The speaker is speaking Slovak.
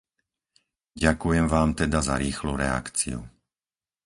Ďakujem vám teda za rýchlu reakciu.